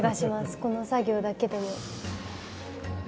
この作業だけでも。